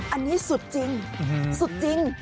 อันนี้สุดจริงสุดจริง